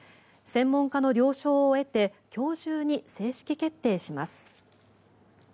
専門家の了承を得て今日中に正式決定します。